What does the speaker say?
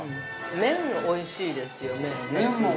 ◆麺がおいしいですよね。